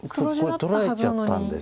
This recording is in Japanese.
取られちゃったんです。